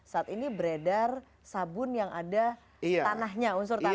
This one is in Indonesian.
saat ini beredar sabun yang ada tanahnya unsur tanah